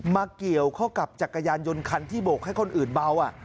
เกี่ยวเข้ากับจักรยานยนต์คันที่โบกให้คนอื่นเบา